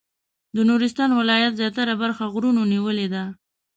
د نورستان ولایت زیاتره برخه غرونو نیولې ده.